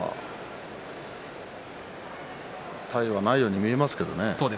体はないように見えますけれどね。